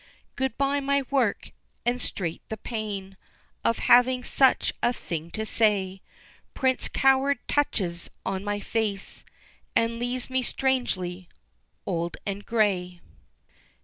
Good bye my work! and straight the pain Of having such a thing to say, Prints coward touches on my face, And leaves me strangely old and gray.